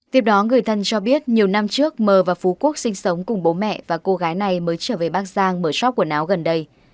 tiếp đó người thân cho biết nhiều năm trước mờ và phú quốc sinh sống cùng bố mẹ và cô gái này mới trở về bắc giang mở sóc quần áo gần đây